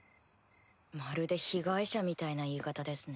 まるで被害者みたいな言い方ですね。